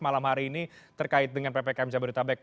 malam hari ini terkait dengan ppkm jabodetabek